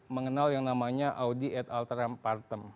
mengenal yang namanya audi at alteram partem